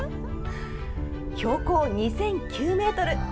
標高２００９メートル。